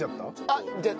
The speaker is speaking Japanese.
あっじゃあ。